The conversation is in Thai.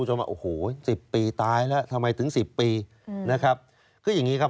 ก็เขียนให้อย่างงี้ครับ